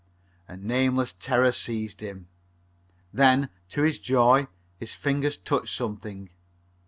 A nameless terror seized him. Then, to his joy, his fingers touched something.